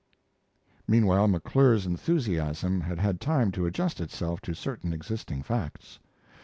Meanwhile McClure's enthusiasm had had time to adjust itself to certain existing facts.